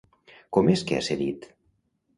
Com és que ha cedit?